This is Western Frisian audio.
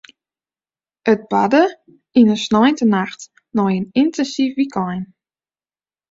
It barde yn in sneintenacht nei in yntinsyf wykein.